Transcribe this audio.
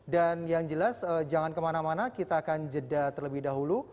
dan yang jelas jangan kemana mana kita akan jeda terlebih dahulu